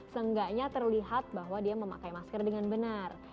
seenggaknya terlihat bahwa dia memakai masker dengan benar